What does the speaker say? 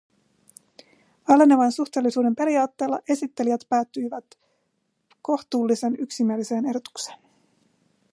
Alenevan suhteellisuuden periaatteella esittelijät päätyvät kohtuullisen yksimieliseen ehdotukseen.